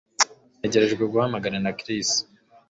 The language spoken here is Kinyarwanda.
Ntegereje guhamagarwa na Chris